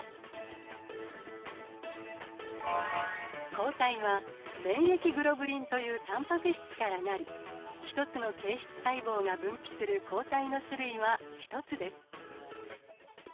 抗体は免疫グロブリンというタンパク質からなり１つの形質細胞が分泌する抗体の種類は１つです。